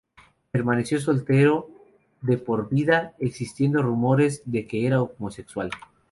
Permaneció soltero de por vida, existiendo rumores de que era homosexual.